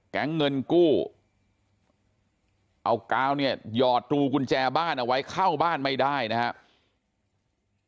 แก๊งเงินกู้เอากาวเนี่ยหยอดรูกุญแจบ้านเอาไว้เข้าบ้านไม่ได้นะครับ